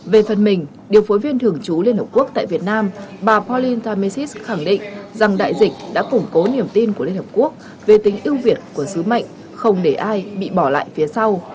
về phần mình điều phối viên thường trú liên hợp quốc tại việt nam bà polyntamesis khẳng định rằng đại dịch đã củng cố niềm tin của liên hợp quốc về tính ưu việt của sứ mệnh không để ai bị bỏ lại phía sau